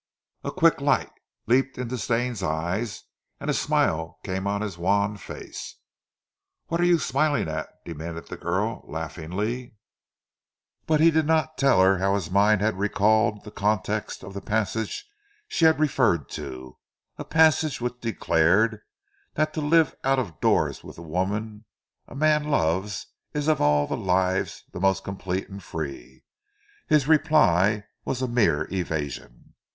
A quick light leaped in Stane's eyes and a smile came on his wan face. "What are you smiling at?" demanded the girl laughingly. But he did not tell her how his mind had recalled the context of the passage she had referred to, a passage which declared that to live out of doors with the woman a man loves is of all lives the most complete and free. His reply was a mere evasion.